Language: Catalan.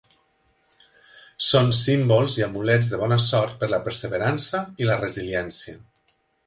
Són símbols i amulets de bona sort per la perseverança i la resiliència.